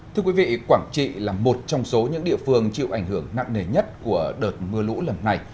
thưa quý vị quảng trị là một trong số những địa phương chịu ảnh hưởng nặng nề nhất của đợt mưa lũ lần này